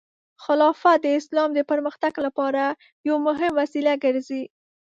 خلافت د اسلام د پرمختګ لپاره یو مهم وسیله ګرځي.